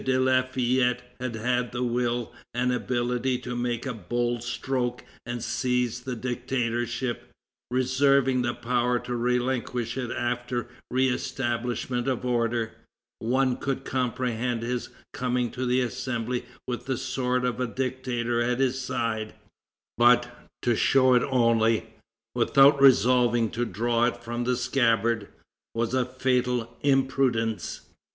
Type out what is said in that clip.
de Lafayette had had the will and ability to make a bold stroke and seize the dictatorship, reserving the power to relinquish it after the re establishment of order, one could comprehend his coming to the Assembly with the sword of a dictator at his side; but, to show it only, without resolving to draw it from the scabbard, was a fatal imprudence.